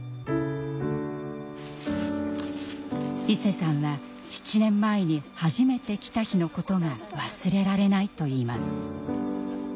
いせさんは７年前に初めて来た日のことが忘れられないと言います。